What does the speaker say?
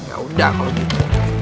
yaudah kalau gitu